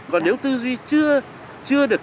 còn nếu tư duy chưa được